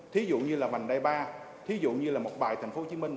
thí dụ như là vành đài ba thí dụ như là một bài thành phố hồ chí minh